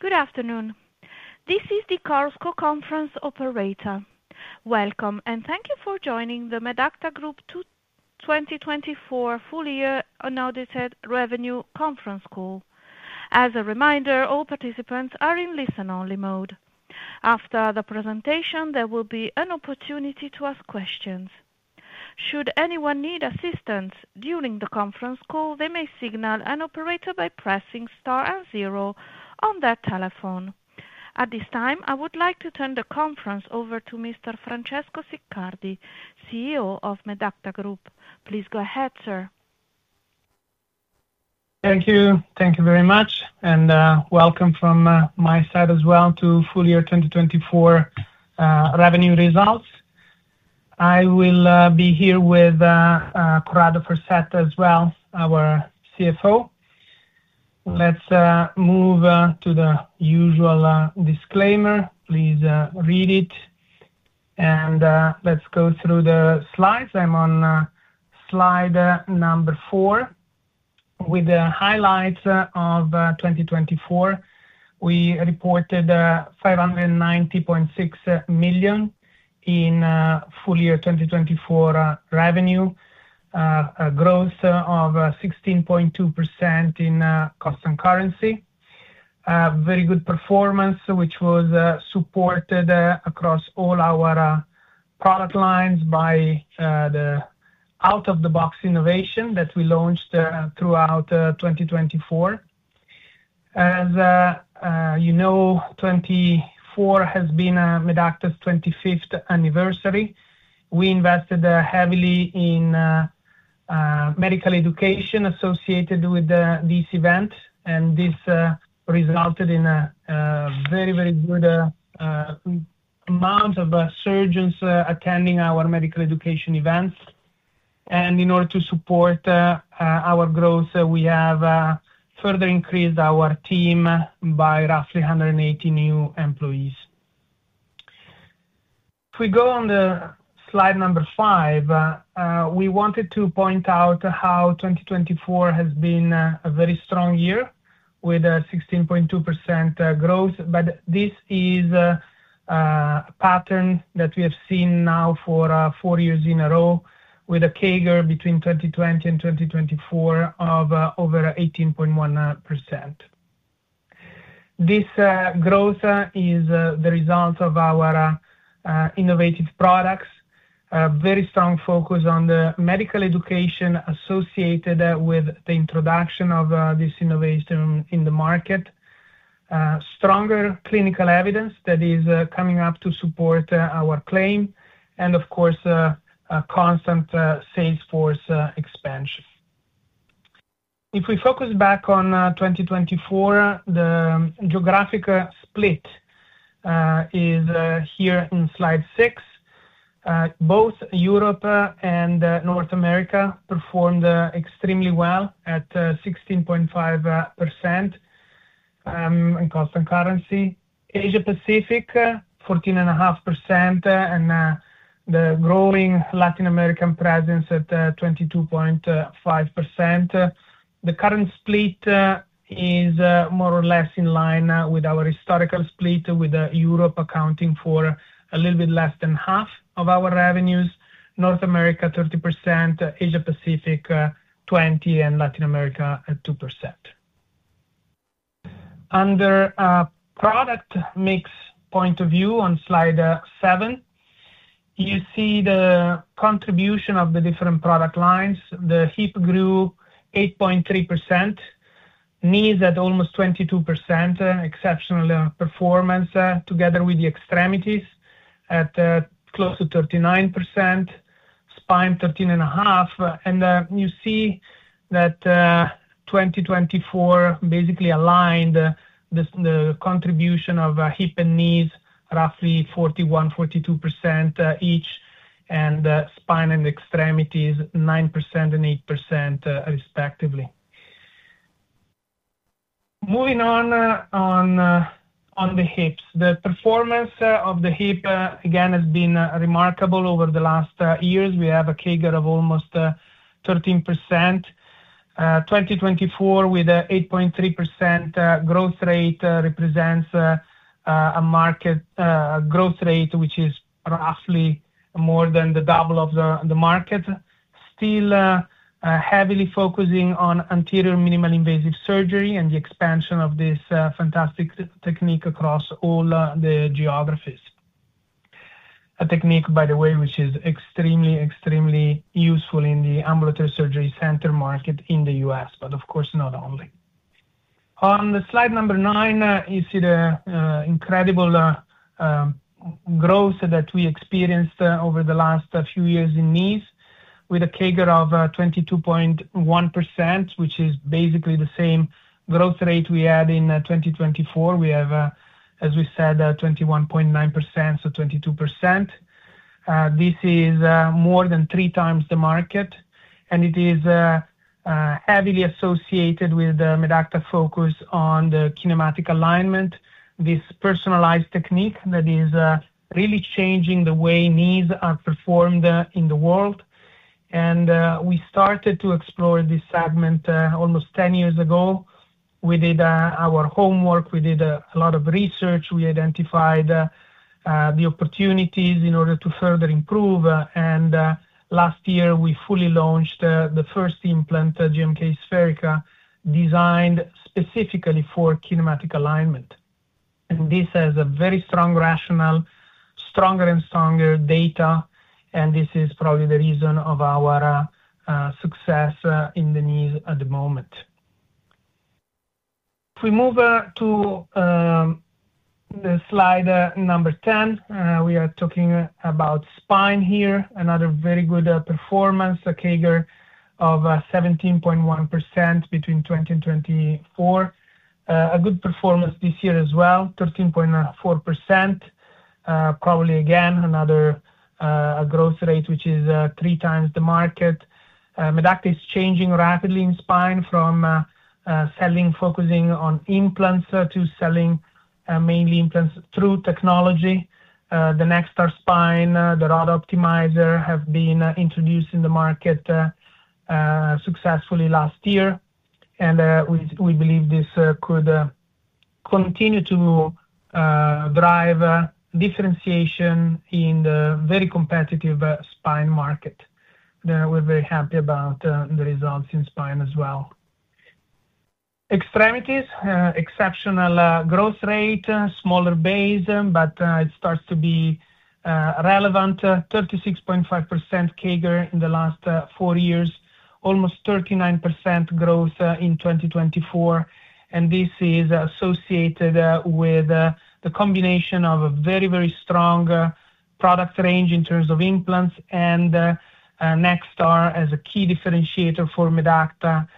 Good afternoon. This is the Chorus Call Conference Operator. Welcome, and thank you for joining the Medacta Group 2024 Full Year Unaudited Revenue Conference Call. As a reminder, all participants are in listen-only mode. After the presentation, there will be an opportunity to ask questions. Should anyone need assistance during the conference call, they may signal an operator by pressing star and zero on their telephone. At this time, I would like to turn the conference over to Mr. Francesco Siccardi, CEO of Medacta Group. Please go ahead, sir. Thank you. Thank you very much. And welcome from my side as well to Full Year 2024 Revenue Results. I will be here with Corrado Farsetta as well, our CFO. Let's move to the usual disclaimer. Please read it. And let's go through the slides. I'm on slide number four with the highlights of 2024. We reported 590.6 million in Full Year 2024 revenue, a growth of 16.2% in constant currency. Very good performance, which was supported across all our product lines by the out-of-the-box innovation that we launched throughout 2024. As you know, 24 has been Medacta's 25th anniversary. We invested heavily in medical education associated with this event, and this resulted in a very, very good amount of surgeons attending our medical education events. And in order to support our growth, we have further increased our team by roughly 180 new employees. If we go on to slide number five, we wanted to point out how 2024 has been a very strong year with a 16.2% growth, but this is a pattern that we have seen now for four years in a row with a CAGR between 2020 and 2024 of over 18.1%. This growth is the result of our innovative products, a very strong focus on the medical education associated with the introduction of this innovation in the market, stronger clinical evidence that is coming up to support our claim, and of course, a constant sales force expansion. If we focus back on 2024, the geographic split is here in slide six. Both Europe and North America performed extremely well at 16.5% in constant currency. Asia-Pacific, 14.5%, and the growing Latin American presence at 22.5%. The current split is more or less in line with our historical split, with Europe accounting for a little bit less than half of our revenues, North America 30%, Asia-Pacific 20%, and Latin America 2%. Under product mix point of view on slide seven, you see the contribution of the different product lines. The hips grew 8.3%, knees at almost 22%, exceptional performance, together with the extremities at close to 39%, spine 13.5%. And you see that 2024 basically aligned the contribution of hips and knees, roughly 41%, 42% each, and spine and extremities 9% and 8% respectively. Moving on to the hips, the performance of the hips again has been remarkable over the last years. We have a CAGR of almost 13%. 2024, with an 8.3% growth rate, represents a market growth rate which is roughly more than the double of the market, still heavily focusing on anterior minimally invasive surgery and the expansion of this fantastic technique across all the geographies. A technique, by the way, which is extremely, extremely useful in the ambulatory surgery center market in the U.S., but of course not only. On slide number nine, you see the incredible growth that we experienced over the last few years in knees with a CAGR of 22.1%, which is basically the same growth rate we had in 2024. We have, as we said, 21.9%, so 22%. This is more than three times the market, and it is heavily associated with the Medacta focus on the kinematic alignment, this personalized technique that is really changing the way knees are performed in the world. We started to explore this segment almost 10 years ago. We did our homework. We did a lot of research. We identified the opportunities in order to further improve. And last year, we fully launched the first implant, GMK SpheriKA, designed specifically for kinematic alignment. And this has a very strong rationale, stronger and stronger data, and this is probably the reason of our success in the knees at the moment. If we move to slide number 10, we are talking about spine here. Another very good performance, a CAGR of 17.1% between 2020 and 2024. A good performance this year as well, 13.4%. Probably again, another growth rate which is three times the market. Medacta is changing rapidly in spine from selling, focusing on implants to selling mainly implants through technology. The NextAR Spine, the Rod Optimizer have been introduced in the market successfully last year. And we believe this could continue to drive differentiation in the very competitive spine market. We're very happy about the results in spine as well. Extremities, exceptional growth rate, smaller base, but it starts to be relevant. 36.5% CAGR in the last four years, almost 39% growth in 2024. And this is associated with the combination of a very, very strong product range in terms of implants. And NextAR as a key differentiator for Medacta,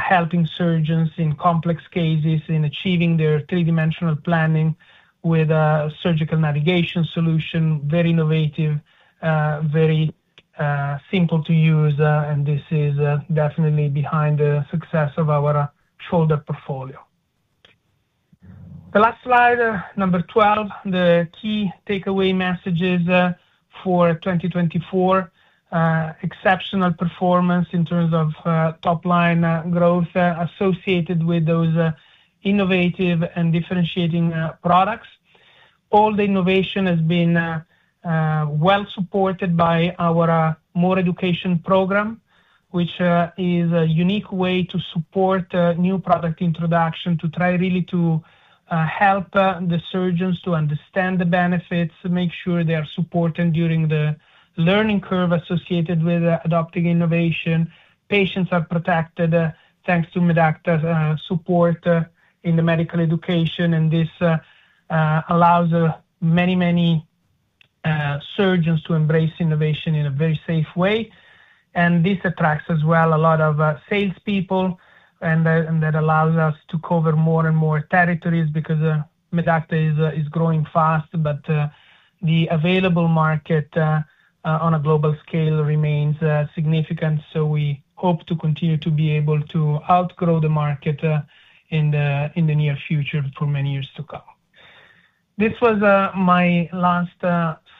helping surgeons in complex cases in achieving their three-dimensional planning with a surgical navigation solution, very innovative, very simple to use. And this is definitely behind the success of our shoulder portfolio. The last slide, number 12, the key takeaway messages for 2024, exceptional performance in terms of top-line growth associated with those innovative and differentiating products. All the innovation has been well supported by our MySolutions education program, which is a unique way to support new product introduction to try really to help the surgeons to understand the benefits, make sure they are supported during the learning curve associated with adopting innovation. Patients are protected thanks to Medacta's support in the medical education. And this allows many, many surgeons to embrace innovation in a very safe way. And this attracts as well a lot of salespeople, and that allows us to cover more and more territories because Medacta is growing fast, but the available market on a global scale remains significant. So we hope to continue to be able to outgrow the market in the near future for many years to come. This was my last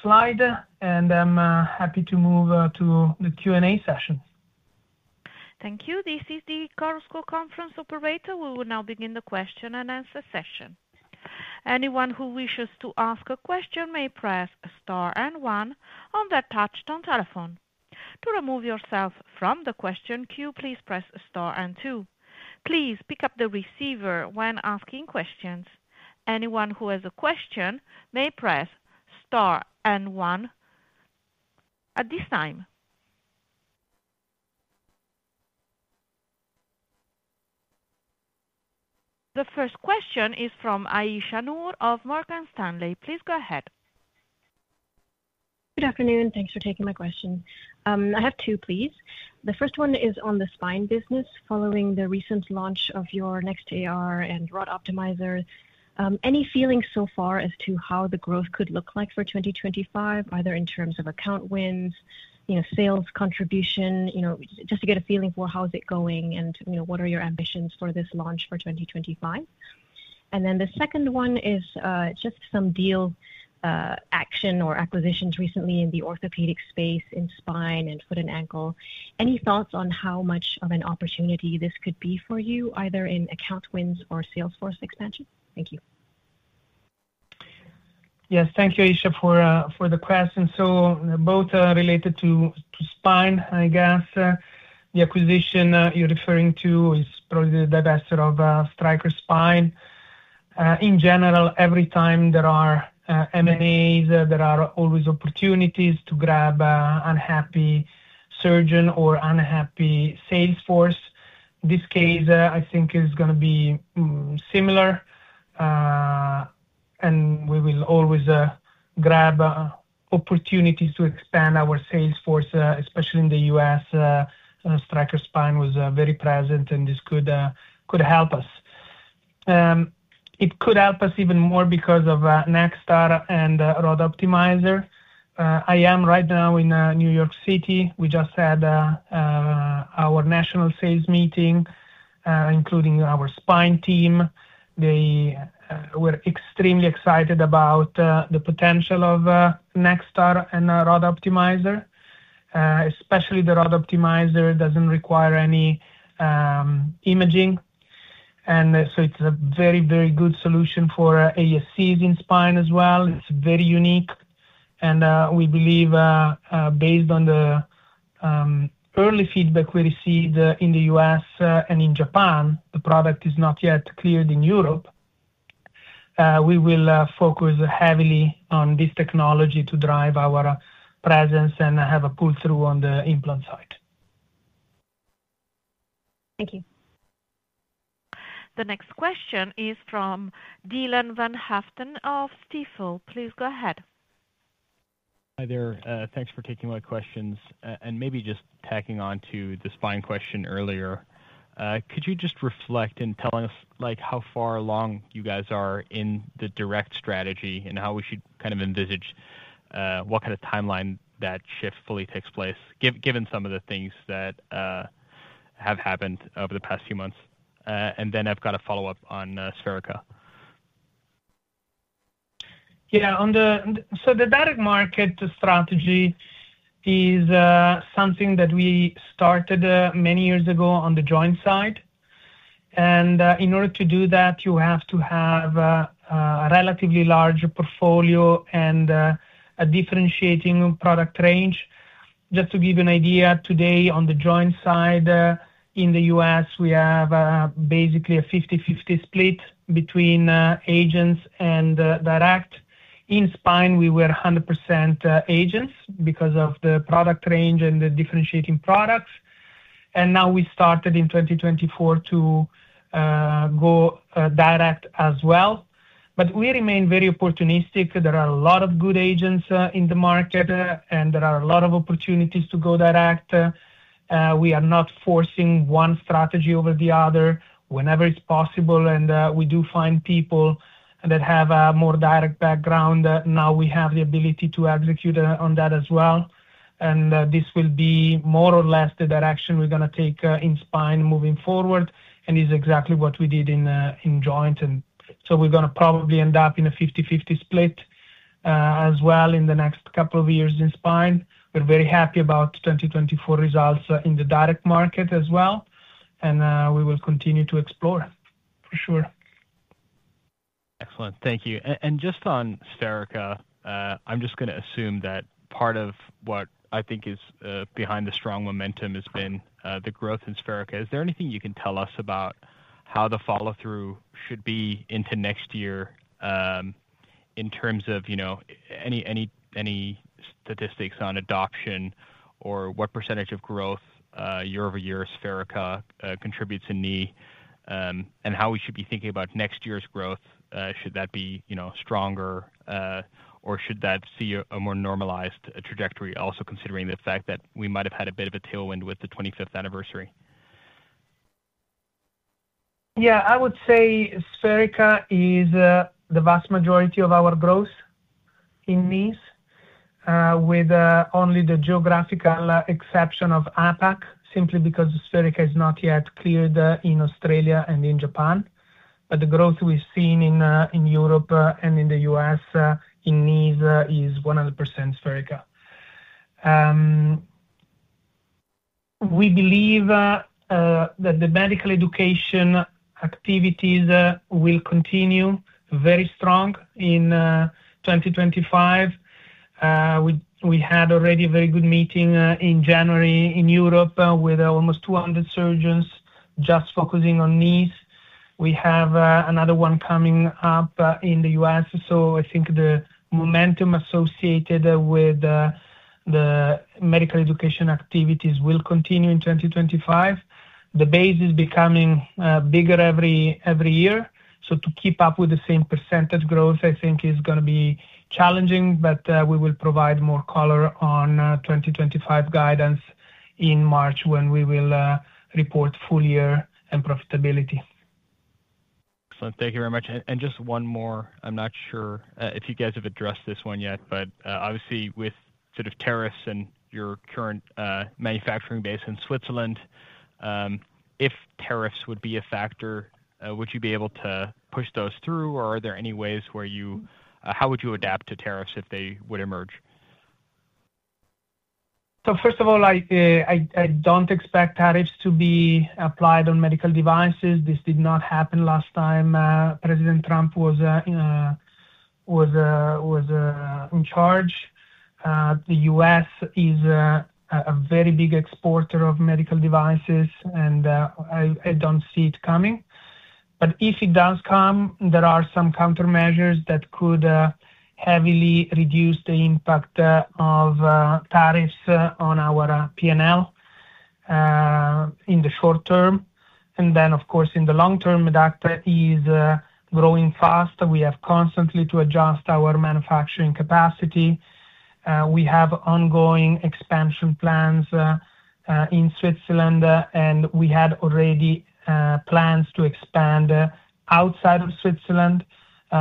slide, and I'm happy to move to the Q&A session. Thank you. This is the Chorus Call Conference Operator. We will now begin the question and answer session. Anyone who wishes to ask a question may press star and one on their touch-tone telephone. To remove yourself from the question queue, please press star and two. Please pick up the receiver when asking questions. Anyone who has a question may press star and one at this time. The first question is from Ayesha Noor of Morgan Stanley. Please go ahead. Good afternoon. Thanks for taking my question. I have two, please. The first one is on the spine business following the recent launch of your NextAR and rod optimizer. Any feelings so far as to how the growth could look like for 2025, either in terms of account wins, sales contribution, just to get a feeling for how is it going and what are your ambitions for this launch for 2025? And then the second one is just some deal action or acquisitions recently in the orthopedic space in spine and foot and ankle. Any thoughts on how much of an opportunity this could be for you, either in account wins or sales force expansion? Thank you. Yes, thank you, Ayesha, for the question. So both related to spine, I guess. The acquisition you're referring to is probably the divestiture of Stryker Spine. In general, every time there are M&As, there are always opportunities to grab an unhappy surgeon or unhappy sales force. This case, I think, is going to be similar, and we will always grab opportunities to expand our sales force, especially in the U.S. Stryker spine was very present, and this could help us. It could help us even more because of NextAR and Rod Optimizer. I am right now in New York City. We just had our national sales meeting, including our spine team. They were extremely excited about the potential of NextAR and Rod Optimizer, especially the Rod Optimizer doesn't require any imaging, and so it's a very, very good solution for ASCs in spine as well. It's very unique. We believe, based on the early feedback we received in the U.S. and in Japan, the product is not yet cleared in Europe. We will focus heavily on this technology to drive our presence and have a pull-through on the implant side. Thank you. The next question is from Dylan van Haaften of Stifel. Please go ahead. Hi there. Thanks for taking my questions. And maybe just tacking on to the spine question earlier, could you just reflect in telling us how far along you guys are in the direct strategy and how we should kind of envisage what kind of timeline that shift fully takes place, given some of the things that have happened over the past few months? And then I've got a follow-up on SpheriKA. Yeah. So the direct market strategy is something that we started many years ago on the joint side. And in order to do that, you have to have a relatively large portfolio and a differentiating product range. Just to give you an idea, today on the joint side in the U.S., we have basically a 50/50 split between agents and direct. In spine, we were 100% agents because of the product range and the differentiating products. And now we started in 2024 to go direct as well. But we remain very opportunistic. There are a lot of good agents in the market, and there are a lot of opportunities to go direct. We are not forcing one strategy over the other. Whenever it's possible, and we do find people that have a more direct background, now we have the ability to execute on that as well. This will be more or less the direction we're going to take in spine moving forward, and it's exactly what we did in joint. So we're going to probably end up in a 50/50 split as well in the next couple of years in spine. We're very happy about 2024 results in the direct market as well. We will continue to explore, for sure. Excellent. Thank you, and just on SpheriKA, I'm just going to assume that part of what I think is behind the strong momentum has been the growth in SpheriKA. Is there anything you can tell us about how the follow-through should be into next year in terms of any statistics on adoption or what percentage of growth year over year SpheriKA contributes in knee and how we should be thinking about next year's growth? Should that be stronger, or should that see a more normalized trajectory, also considering the fact that we might have had a bit of a tailwind with the 25th anniversary? Yeah, I would say SpheriKA is the vast majority of our growth in knees, with only the geographical exception of APAC, simply because SpheriKA is not yet cleared in Australia and in Japan. But the growth we've seen in Europe and in the U.S. in knees is 100% SpheriKA. We believe that the medical education activities will continue very strong in 2025. We had already a very good meeting in January in Europe with almost 200 surgeons just focusing on knees. We have another one coming up in the U.S. So I think the momentum associated with the medical education activities will continue in 2025. The base is becoming bigger every year. So to keep up with the same percentage growth, I think, is going to be challenging, but we will provide more color on 2025 guidance in March when we will report full year and profitability. Excellent. Thank you very much. And just one more. I'm not sure if you guys have addressed this one yet, but obviously with sort of tariffs and your current manufacturing base in Switzerland, if tariffs would be a factor, would you be able to push those through, or how would you adapt to tariffs if they would emerge? First of all, I don't expect tariffs to be applied on medical devices. This did not happen last time President Trump was in charge. The U.S. is a very big exporter of medical devices, and I don't see it coming. But if it does come, there are some countermeasures that could heavily reduce the impact of tariffs on our P&L in the short term. And then, of course, in the long term, Medacta is growing fast. We have constantly to adjust our manufacturing capacity. We have ongoing expansion plans in Switzerland, and we had already plans to expand outside of Switzerland,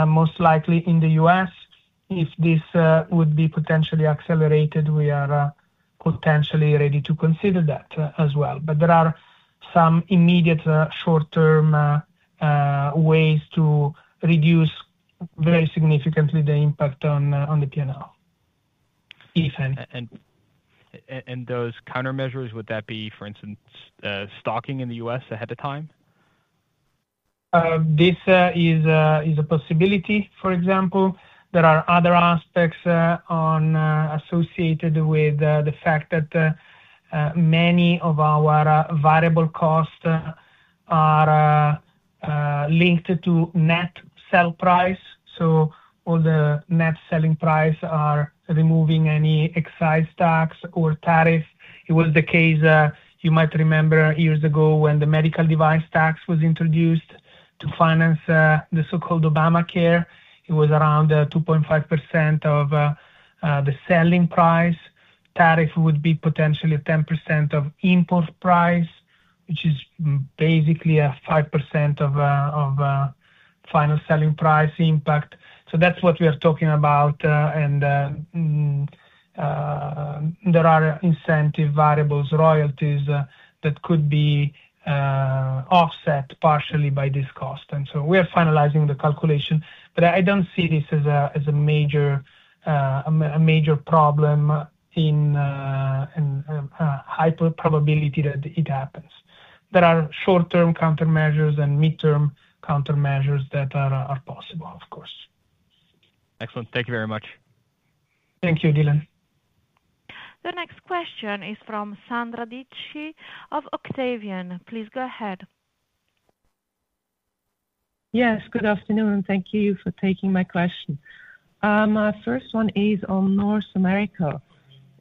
most likely in the U.S. If this would be potentially accelerated, we are potentially ready to consider that as well. But there are some immediate short-term ways to reduce very significantly the impact on the P&L. And those countermeasures, would that be, for instance, stocking in the U.S. ahead of time? This is a possibility, for example. There are other aspects associated with the fact that many of our variable costs are linked to net selling price. So all the net selling prices are removing any excise tax or tariff. It was the case, you might remember, years ago when the medical device tax was introduced to finance the so-called Obamacare. It was around 2.5% of the selling price. Tariff would be potentially 10% of import price, which is basically 5% of final selling price impact. So that's what we are talking about. And there are incentive variables, royalties that could be offset partially by this cost. And so we are finalizing the calculation, but I don't see this as a major problem in high probability that it happens. There are short-term countermeasures and mid-term countermeasures that are possible, of course. Excellent. Thank you very much. Thank you, Dylan. The next question is from Sandra Dietschy of Octavian. Please go ahead. Yes, good afternoon. Thank you for taking my question. My first one is on North America.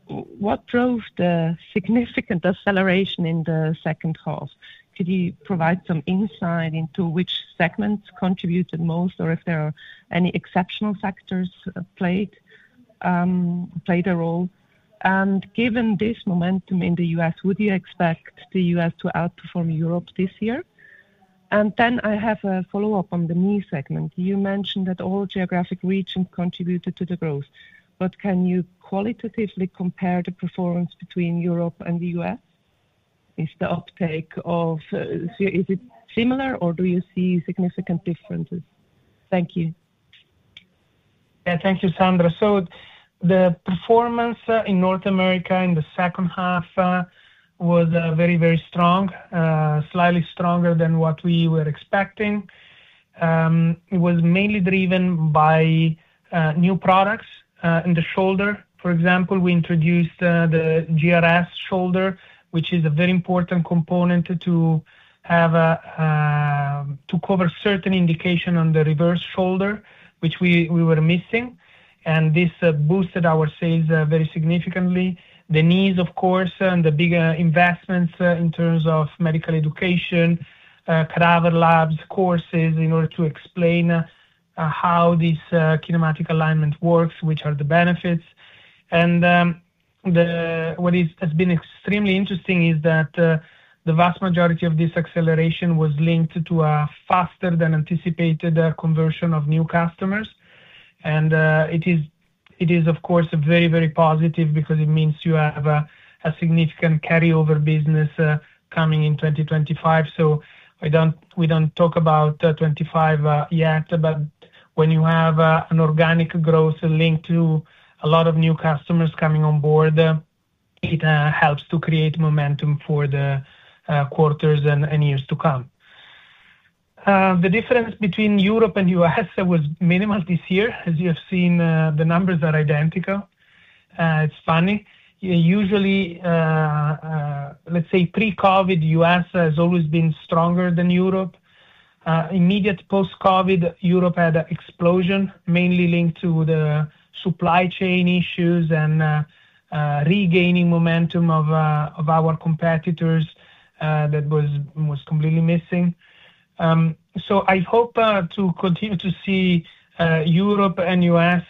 What drove the significant acceleration in the second half? Could you provide some insight into which segments contributed most, or if there are any exceptional factors that played a role? And given this momentum in the U.S., would you expect the U.S. to outperform Europe this year? And then I have a follow-up on the knee segment. You mentioned that all geographic regions contributed to the growth. But can you qualitatively compare the performance between Europe and the U.S.? Is the uptake similar, or do you see significant differences? Thank you. Yeah, thank you, Sandra. So the performance in North America in the second half was very, very strong, slightly stronger than what we were expecting. It was mainly driven by new products in the shoulder. For example, we introduced the GRS Shoulder, which is a very important component to cover certain indications on the reverse shoulder, which we were missing. And this boosted our sales very significantly. The knees, of course, and the bigger investments in terms of medical education, cadaver labs, courses in order to explain how this kinematic alignment works, which are the benefits. And what has been extremely interesting is that the vast majority of this acceleration was linked to a faster-than-anticipated conversion of new customers. And it is, of course, very, very positive because it means you have a significant carryover business coming in 2025. So we don't talk about 2025 yet, but when you have an organic growth linked to a lot of new customers coming on board, it helps to create momentum for the quarters and years to come. The difference between Europe and the US was minimal this year. As you have seen, the numbers are identical. It's funny. Usually, let's say pre-COVID, the U.S. has always been stronger than Europe. Immediate post-COVID, Europe had an explosion, mainly linked to the supply chain issues and regaining momentum of our competitors that was completely missing. So I hope to continue to see Europe and the U.S.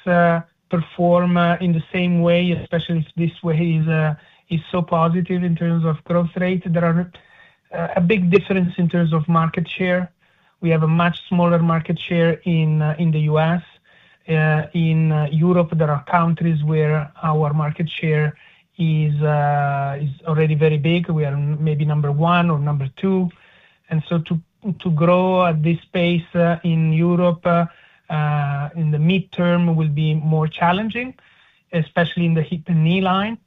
perform in the same way, especially if this way is so positive in terms of growth rate. There is a big difference in terms of market share. We have a much smaller market share in the U.S. In Europe, there are countries where our market share is already very big. We are maybe number one or number two, and so to grow at this pace in Europe in the mid-term will be more challenging, especially in the hip and knee line,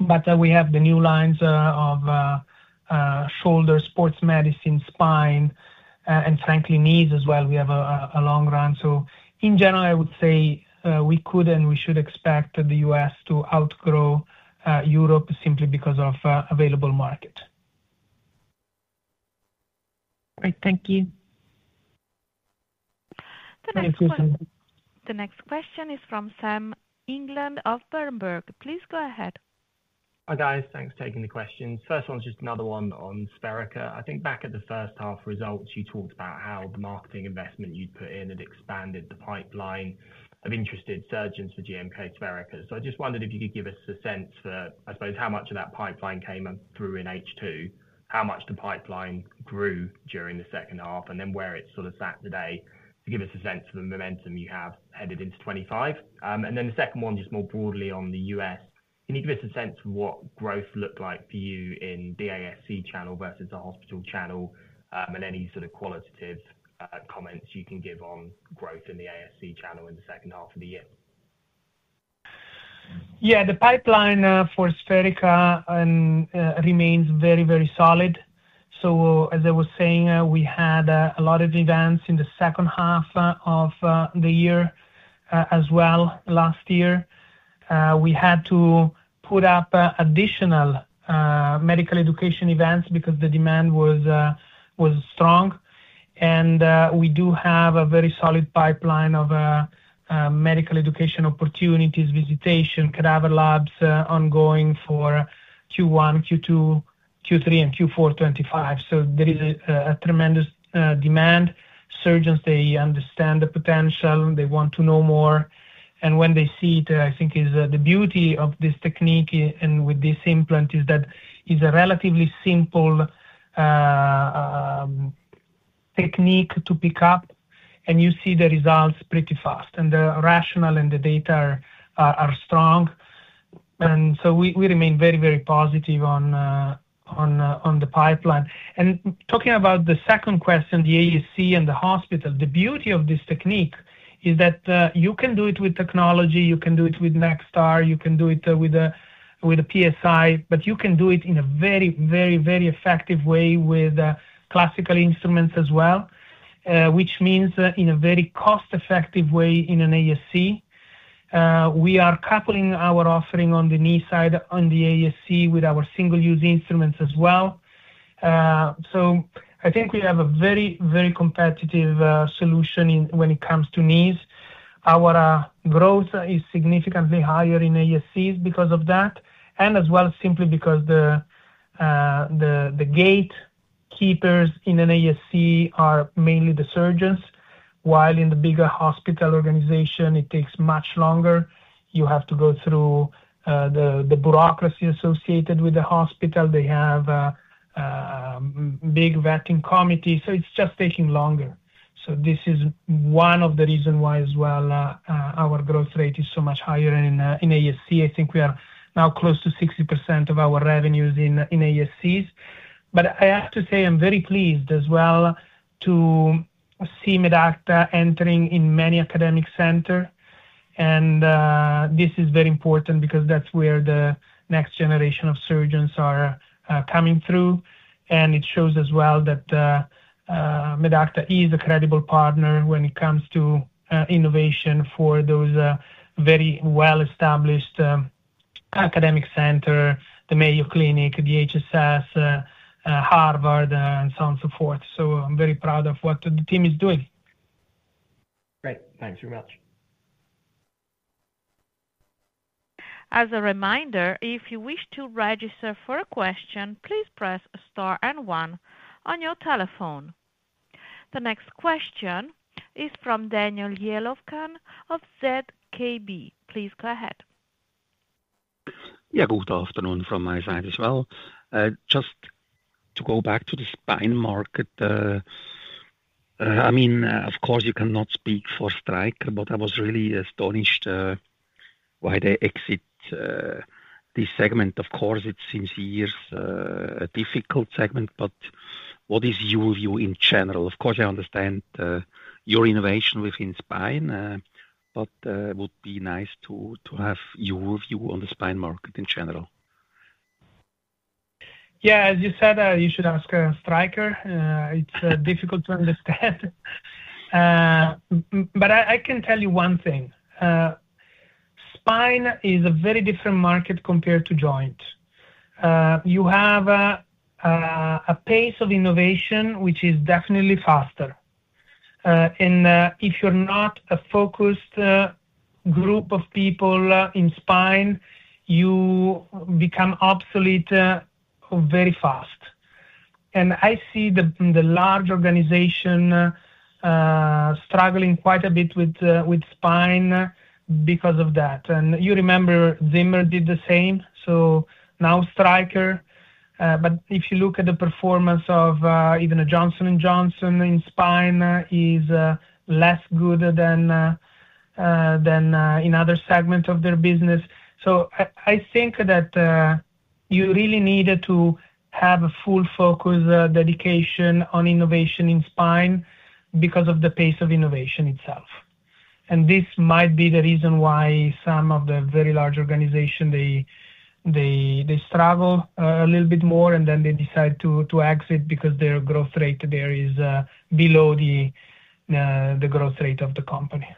but we have the new lines of shoulder, sports medicine, spine, and frankly, knees as well. We have a long runway, so in general, I would say we could and we should expect the U.S. to outgrow Europe simply because of the available market. Great. Thank you. The next question is from Sam England of Berenberg. Please go ahead. Hi, guys. Thanks for taking the question. First one is just another one on SpheriKA. I think back at the first half results, you talked about how the marketing investment you'd put in had expanded the pipeline of interested surgeons for GMK SpheriKA. So I just wondered if you could give us a sense for, I suppose, how much of that pipeline came through in H2, how much the pipeline grew during the second half, and then where it sort of sat today to give us a sense of the momentum you have headed into 2025. And then the second one just more broadly on the U.S. Can you give us a sense of what growth looked like for you in the ASC channel versus the hospital channel and any sort of qualitative comments you can give on growth in the ASC channel in the second half of the year? Yeah, the pipeline for SpheriKA remains very, very solid. So as I was saying, we had a lot of events in the second half of the year as well last year. We had to put up additional medical education events because the demand was strong. And we do have a very solid pipeline of medical education opportunities, visitation, cadaver labs ongoing for Q1, Q2, Q3, and Q4 2025. So there is a tremendous demand. Surgeons, they understand the potential. They want to know more. And when they see it, I think the beauty of this technique and with this implant is that it's a relatively simple technique to pick up, and you see the results pretty fast. And the rationale and the data are strong. And so we remain very, very positive on the pipeline. Talking about the second question, the ASC and the hospital, the beauty of this technique is that you can do it with technology. You can do it with NextAR. You can do it with a PSI, but you can do it in a very, very, very effective way with classical instruments as well, which means in a very cost-effective way in an ASC. We are coupling our offering on the knee side on the ASC with our single-use instruments as well. So I think we have a very, very competitive solution when it comes to knees. Our growth is significantly higher in ASCs because of that, and as well simply because the gatekeepers in an ASC are mainly the surgeons, while in the bigger hospital organization, it takes much longer. You have to go through the bureaucracy associated with the hospital. They have a big vetting committee. So it's just taking longer. So this is one of the reasons why as well our growth rate is so much higher in ASC. I think we are now close to 60% of our revenues in ASCs. But I have to say I'm very pleased as well to see Medacta entering in many academic centers. And this is very important because that's where the next generation of surgeons are coming through. And it shows as well that Medacta is a credible partner when it comes to innovation for those very well-established academic centers, the Mayo Clinic, the HSS, Harvard, and so on and so forth. So I'm very proud of what the team is doing. Great. Thanks very much. As a reminder, if you wish to register for a question, please press star and one on your telephone. The next question is from Daniel Jelovcan of ZKB. Please go ahead. Yeah, good afternoon from my side as well. Just to go back to the spine market, I mean, of course, you cannot speak for Stryker, but I was really astonished why they exit this segment. Of course, it seems it's a difficult segment, but what is your view in general? Of course, I understand your innovation within spine, but it would be nice to have your view on the spine market in general. Yeah, as you said, you should ask Stryker. It's difficult to understand. But I can tell you one thing. Spine is a very different market compared to joint. You have a pace of innovation, which is definitely faster. And if you're not a focused group of people in spine, you become obsolete very fast. And I see the large organization struggling quite a bit with spine because of that. And you remember Zimmer did the same. So now Stryker. But if you look at the performance of even a Johnson & Johnson in spine, it is less good than in other segments of their business. So I think that you really needed to have a full focus dedication on innovation in spine because of the pace of innovation itself. This might be the reason why some of the very large organizations, they struggle a little bit more, and then they decide to exit because their growth rate there is below the growth rate of the company.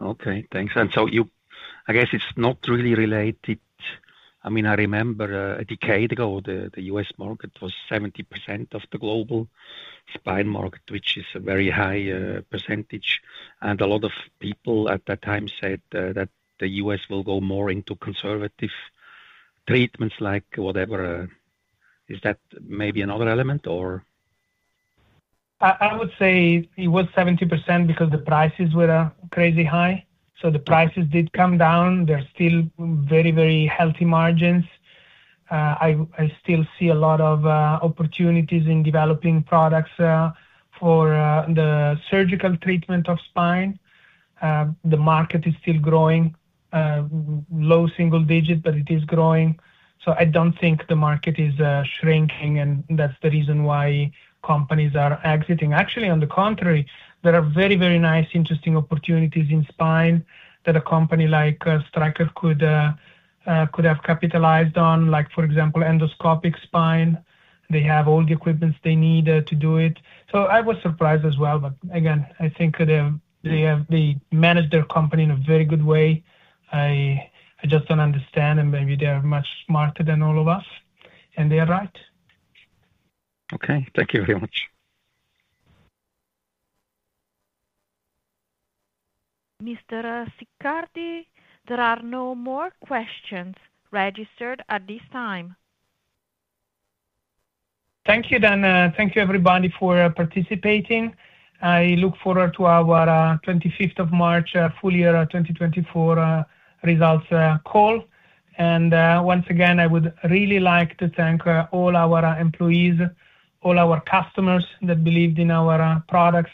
Okay. Thanks. And so I guess it's not really related. I mean, I remember a decade ago, the U.S. market was 70% of the global spine market, which is a very high percentage. And a lot of people at that time said that the U.S. will go more into conservative treatments like whatever. Is that maybe another element, or? I would say it was 70% because the prices were crazy high, so the prices did come down. They're still very, very healthy margins. I still see a lot of opportunities in developing products for the surgical treatment of spine. The market is still growing, low single digit, but it is growing, so I don't think the market is shrinking, and that's the reason why companies are exiting. Actually, on the contrary, there are very, very nice, interesting opportunities in spine that a company like Stryker could have capitalized on, like, for example, endoscopic spine. They have all the equipment they need to do it, so I was surprised as well. But again, I think they manage their company in a very good way. I just don't understand, and maybe they are much smarter than all of us, and they are right. Okay. Thank you very much. Mr. Siccardi, there are no more questions registered at this time. Thank you then. Thank you, everybody, for participating. I look forward to our 25th of March, full year 2024 results call. And once again, I would really like to thank all our employees, all our customers that believed in our products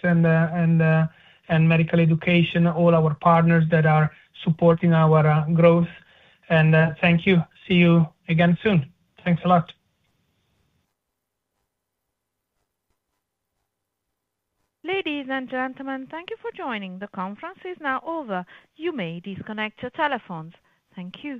and medical education, all our partners that are supporting our growth. And thank you. See you again soon. Thanks a lot. Ladies and gentlemen, thank you for joining. The conference is now over. You may disconnect your telephones. Thank you.